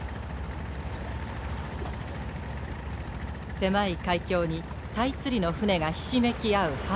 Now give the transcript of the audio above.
狭い海峡にタイ釣りの船がひしめき合う春。